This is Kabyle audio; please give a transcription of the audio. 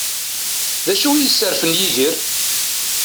D acu i yesserfan Yidir?